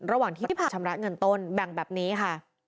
ระหว่างที่พักชำระเงินต้นแบ่งแบบนี้ค่ะ